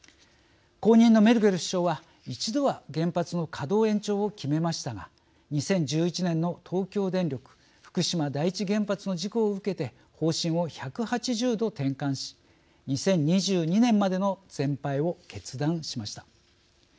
後任のメルケル首相は一度は原発の稼働延長を決めましたが２０１１年の東京電力福島第一原発の事故を受けて方針を１８０度転換し２０２２年までの全廃を決断しました。